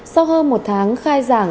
sau hơn một tháng khai giảng